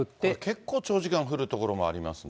結構、長時間降る所もありますね。